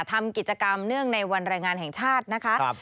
ทำกิจกรรมเนื่องในวันแรงงานแห่งชาตินะคะ